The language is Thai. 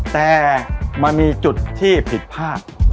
แต่มันมีจุดที่ผิดพลาด